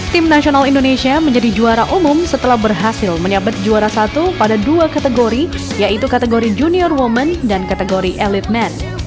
tim nasional indonesia menjadi juara umum setelah berhasil menyabet juara satu pada dua kategori yaitu kategori junior women dan kategori elite man